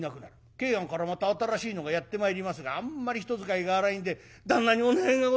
桂庵からまた新しいのがやって参りますがあんまり人使いが荒いんで「旦那にお願いがございます」。